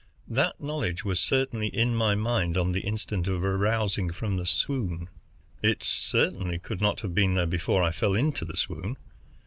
That knowledge was certainly in my mind on the instant of arousing from the swoon. It certainly could not have been there before I fell into the swoon.